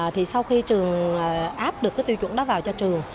thì sau khi trường áp được cái tiêu chuẩn đó vào cho trường